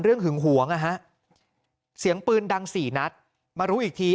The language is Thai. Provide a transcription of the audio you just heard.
เรื่องหึงหวงเสียงปืนดัง๔นัดมารู้อีกที